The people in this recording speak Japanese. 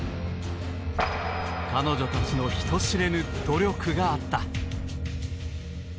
彼女たちの人知れぬ努力があった。